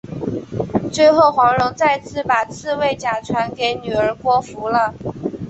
最后黄蓉再把软猬甲传给女儿郭芙了。